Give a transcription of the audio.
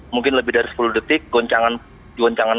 mungkin lebih dari sepuluh detik goncangan